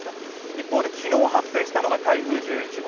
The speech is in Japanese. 一方で昨日発生したのが台風１１号。